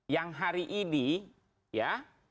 yang hari ini ya